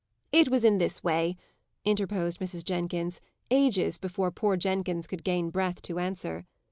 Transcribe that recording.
"It was in this way," interposed Mrs. Jenkins, ages before poor Jenkins could gain breath to answer.